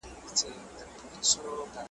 د خپل او بېګانه لحاظ کولو څخه